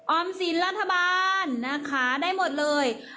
สินรัฐบาลนะคะได้หมดเลย